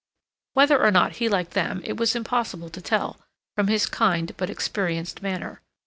Whether or not he liked them it was impossible to tell from his kind but experienced manner.